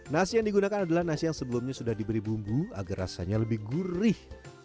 nasi yang digunakan adalah nasi yang sebelumnya sudah diberi bumbu agar rasanya lebih gurih